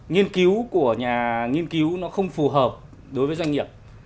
nghiên cứu của nhà nghiên cứu nó không phù hợp đối với doanh nghiệp